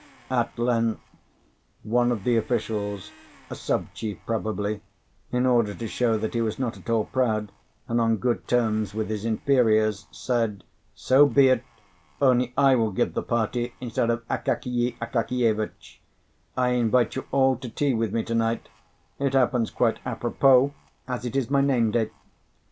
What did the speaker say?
At length one of the officials, a sub chief probably, in order to show that he was not at all proud, and on good terms with his inferiors, said, "So be it, only I will give the party instead of Akakiy Akakievitch; I invite you all to tea with me to night; it happens quite a propos, as it is my name day."